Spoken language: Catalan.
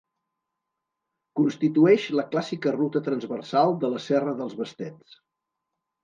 Constitueix la clàssica ruta transversal de la Serra dels Bastets.